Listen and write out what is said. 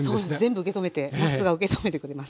全部受け止めてなすが受け止めてくれます。